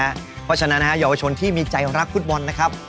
เพราะฉะนั้นนะฮะเยาวชนที่มีใจรักฟุตบอลนะครับ